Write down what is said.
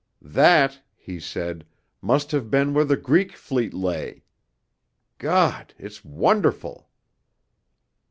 'That,' he said, 'must have been where the Greek fleet lay. God! it's wonderful.'